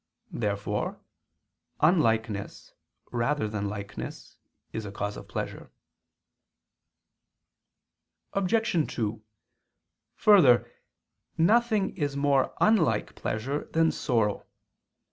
Therefore unlikeness, rather than likeness, is a cause of pleasure. Obj. 2: Further, nothing is more unlike pleasure than sorrow.